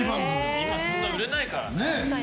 今、そんなに売れないからね。